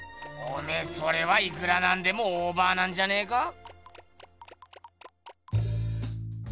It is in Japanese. おめえそれはいくらなんでもオーバーなんじゃねえか？